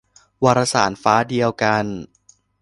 วารสาร ฟ้าเดียวกัน